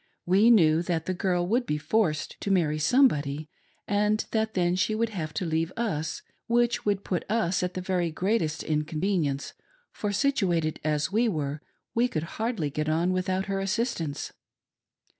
We knew that the girl would be forced to marry somebody, and that then she would have to leave us, which would put us to the very greatest inconvenience, for situated as we were we could hardly get on without her assistance.